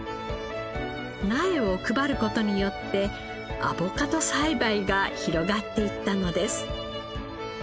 苗を配る事によってアボカド栽培が広がっていったのです。